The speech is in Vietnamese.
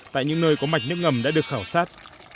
tại những nơi có mạch nước ngầm đã được khảo sát